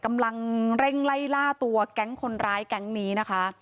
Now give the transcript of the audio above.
กำลังเร่งไล่ล่าตัวแก๊งคนร้ายแก๊งนี้นะคะ